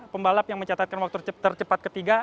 pembalap yang mencatatkan waktu tercepat ketiga